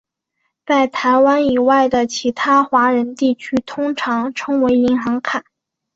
在台湾以外的其他华人地区通常称为银行卡。